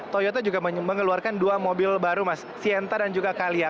toyota juga mengeluarkan dua mobil baru mas sienta dan juga calia